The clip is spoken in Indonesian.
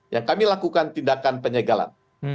yang kami lakukan tindakan penyegalan